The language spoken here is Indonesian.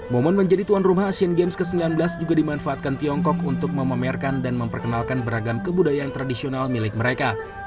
momen menjadi tuan rumah asian games ke sembilan belas juga dimanfaatkan tiongkok untuk memamerkan dan memperkenalkan beragam kebudayaan tradisional milik mereka